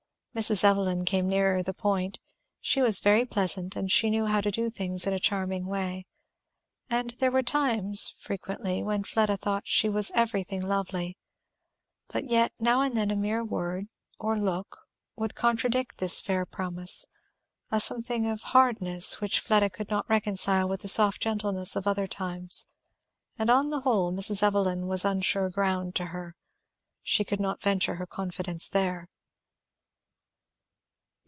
Mrs. Evelyn came nearer the point. She was very pleasant, and she knew how to do things in a charming way; and there were times, frequently, when Fleda thought she was everything lovely. But yet, now and then a mere word, or look, would contradict this fair promise, a something of hardness which Fleda could not reconcile with the soft gentleness of other times; and on the whole Mrs. Evelyn was unsure ground to her; she could not adventure her confidence there.